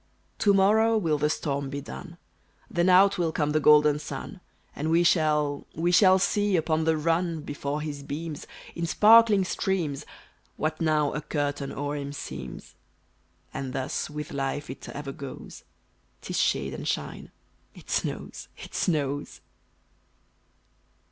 To morrow will the storm be done; Then out will come the golden sun! And we shall, we shall see, upon the run Before his beams, in sparkling streams, What now a curtain o'er him seems. And thus, with life it ever goes; 'Tis shade and shine! It snows, it snows!